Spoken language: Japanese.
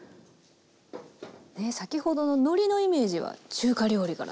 ねえ先ほどののりのイメージは中華料理から。